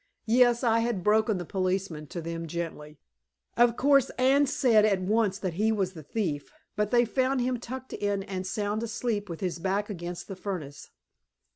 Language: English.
(Yes, I had broken the policeman to them gently. Of course, Anne said at once that he was the thief, but they found him tucked in and sound asleep with his back against the furnace.)